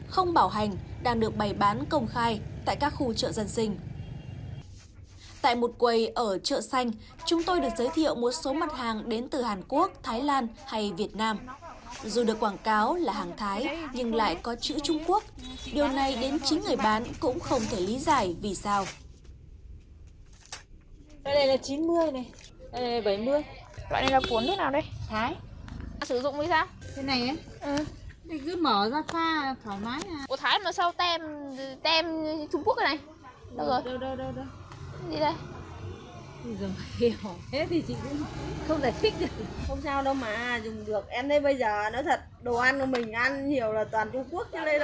không sao đâu mà dùng được em thấy bây giờ nói thật đồ ăn của mình ăn nhiều là toàn trung quốc chứ đây đâu ra toàn trung quốc đồ ăn đấy đồ ăn này lo không có gì đâu mà chị bảo thật dùng được mà không sao đâu bọn chị uống tóc suốt đi chị bảo thật mà không sao đâu